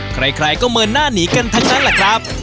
ใครก็เมินหน้าหนีกันทั้งนั้นแหละครับ